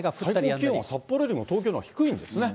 最高気温、札幌より東京のほうが低いんですね。